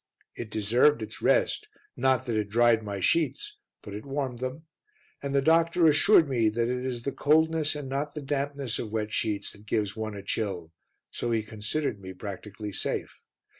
It deserved its rest, not that it dried my sheets, but it warmed them; and the doctor assured me that it is the coldness and not the dampness of wet sheets that gives one a chill, so he considered me practically safe.